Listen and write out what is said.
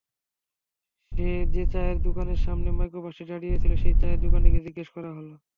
যে-চায়ের দোকানোর সামনে মাইক্রোবাসটি দাঁড়িয়ে ছিল, সেই চায়ের দোকানিকে জিজ্ঞেস করা হল।